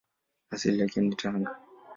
Asili yake ni Tanga.